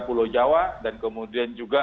pulau jawa dan kemudian juga